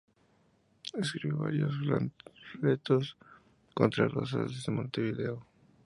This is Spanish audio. Escribió varios panfletos contra Rosas desde Montevideo.